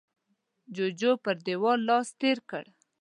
جوجو پر دېوال لاس تېر کړ.